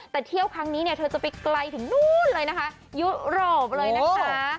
แต่เที่ยวครั้งนี้เนี่ยเธอจะไปไกลถึงนู้นเลยนะคะยุโรปเลยนะคะ